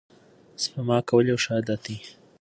سپما کول یو ښه عادت دی.